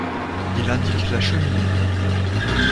Il indique la cheminée.